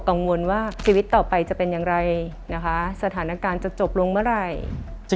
กังวลว่าชีวิตต่อไปจะเป็นอย่างไรนะคะสถานการณ์จะจบลงเมื่อไหร่